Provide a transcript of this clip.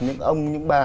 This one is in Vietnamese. những ông những bà